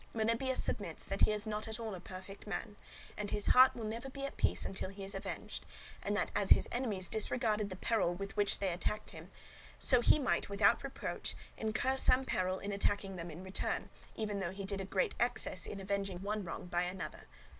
Melibœus submits that he is not at all a perfect man, and his heart will never be at peace until he is avenged; and that as his enemies disregarded the peril when they attacked him, so he might, without reproach, incur some peril in attacking them in return, even though he did a great excess in avenging one wrong by another.